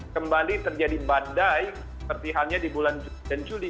kembali terjadi badai seperti halnya di bulan juli dan juli